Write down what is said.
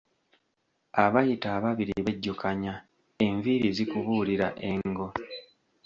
Abayita ababiri bejjukanya enviiri zikubuulira engo